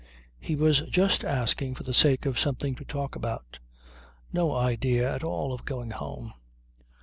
He was just asking for the sake of something to talk about. No idea at all of going home.